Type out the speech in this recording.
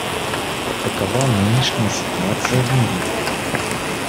Такова нынешняя ситуация в мире.